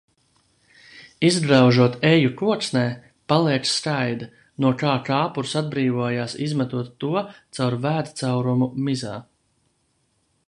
Izgraužot eju koksnē paliek skaida, no kā kāpurs atbrīvojās izmetot to caur vēdcaurumu mizā.